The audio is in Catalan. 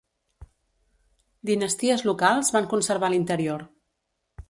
Dinasties locals van conservar l'interior.